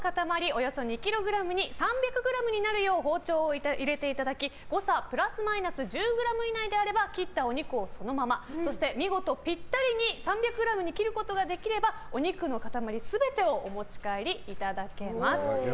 およそ２ｋｇに３００ｇになるように包丁を入れていただき誤差プラスマイナス１０ｇ以内であれば切ったお肉をそのままそして見事ピッタリに３００ｇに切ることができればお肉の塊全てをお持ち帰りいただけます。